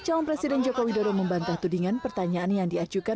calon presiden joko widodo membantah tudingan pertanyaan yang diajukan